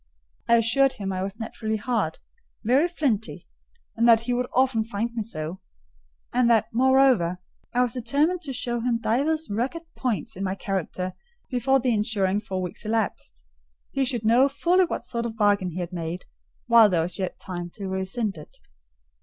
I assured him I was naturally hard—very flinty, and that he would often find me so; and that, moreover, I was determined to show him divers rugged points in my character before the ensuing four weeks elapsed: he should know fully what sort of a bargain he had made, while there was yet time to rescind it.